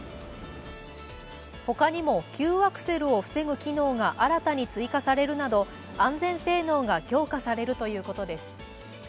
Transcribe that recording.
他にも急アクセルを防ぐ機能が新たに追加されるなど安全性能が強化されるということです。